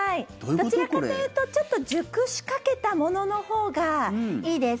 どちらかというとちょっと熟しかけたもののほうがいいです。